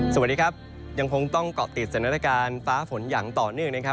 สวัสดีครับยังคงต้องเกาะติดสถานการณ์ฟ้าฝนอย่างต่อเนื่องนะครับ